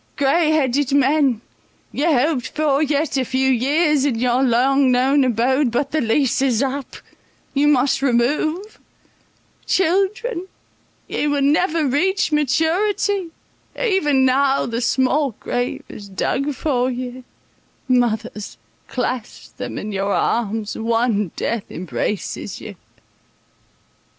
Grey headed men, ye hoped for yet a few years in your long known abode—but the lease is up, you must remove—children, ye will never reach maturity, even now the small grave is dug for ye— mothers, clasp them in your arms, one death embraces you!"